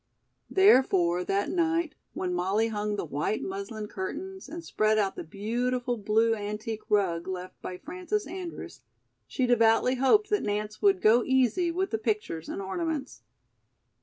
Therefore, that night, when Molly hung the white muslin curtains, and spread out the beautiful blue antique rug left by Frances Andrews, she devoutly hoped that Nance would "go easy" with the pictures and ornaments.